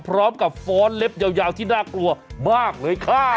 พร้อมกับฟ้อนเล็บยาวที่น่ากลัวมากเลยค่ะ